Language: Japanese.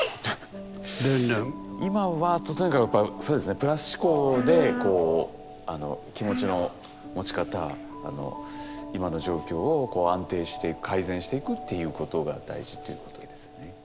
今はとにかくやっぱそうですねプラス思考で気持ちの持ち方今の状況を安定して改善していくっていうことが大事ということですね。